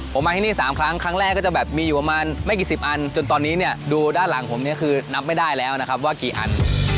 ผมมาที่นี่๓ครั้งครั้งแรกก็จะแบบมีอยู่ประมาณไม่กี่สิบอันจนตอนนี้เนี่ยดูด้านหลังผมเนี่ยคือนับไม่ได้แล้วนะครับว่ากี่อัน